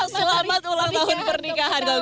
selamat ulang tahun pernikahan